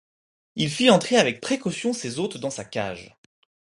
Il fit entrer avec précaution ses hôtes dans la cage.